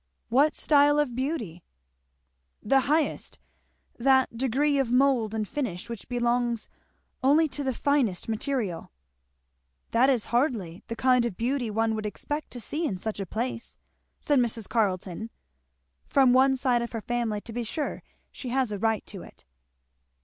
"What style of beauty?" "The highest that degree of mould and finish which belongs only to the finest material." "That is hardly the kind of beauty one would expect to see in such a place," said Mrs. Carleton. "From one side of her family to be sure she has a right to it."